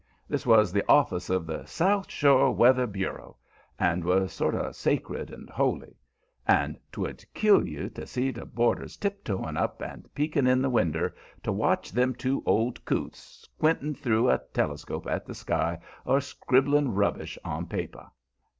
That was the office of "The South Shore Weather Bureau," and 'twas sort of sacred and holy, and 'twould kill you to see the boarders tip toeing up and peeking in the winder to watch them two old coots squinting through a telescope at the sky or scribbling rubbish on paper.